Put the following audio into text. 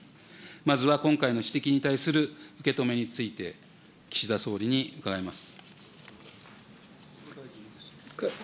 まずは今回の指摘に対する受け止めについて、岸田総理に伺います。